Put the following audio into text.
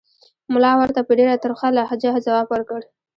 ملا ورته په ډېره ترخه لهجه ځواب ورکړ.